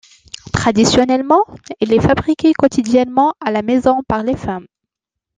Traditionnellement, il est fabriqué quotidiennement à la maison par les femmes.